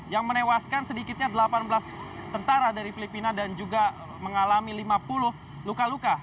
yang menewaskan sedikitnya delapan belas tentara dari filipina dan juga mengalami lima puluh luka luka